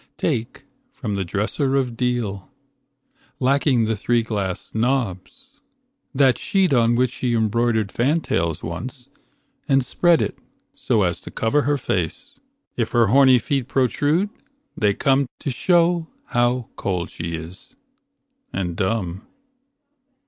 Take from the dresser of deal, Lacking the three glass knobs, that sheet On which she embroidered fantails once And spread it so as to cover her face. If her horny feet protrude, they come To show how cold she is, and dumb.